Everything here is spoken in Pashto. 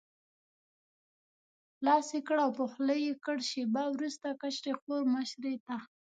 لاس کړ او په خوله یې کړ، شېبه وروسته کشرې خور مشرې ته.